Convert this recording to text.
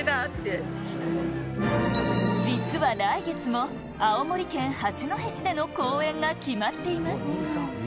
実は来月も、青森県八戸市での公演が決まっています。